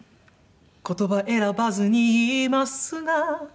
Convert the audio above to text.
「言葉選ばずに言いますが」